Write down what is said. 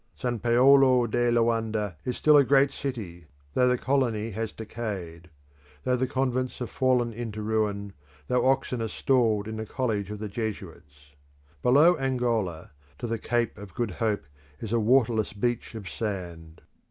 San Paolo de Loanda is still a great city, though the colony has decayed; though the convents have fallen into ruin, though oxen are stalled in the college of the Jesuits. Below Angola, to the Cape of Good Hope, is a waterless beach of sand.